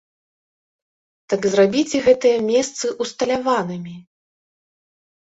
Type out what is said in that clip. Так зрабіце гэтыя месцы усталяванымі!